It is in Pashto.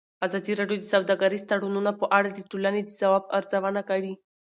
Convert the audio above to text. ازادي راډیو د سوداګریز تړونونه په اړه د ټولنې د ځواب ارزونه کړې.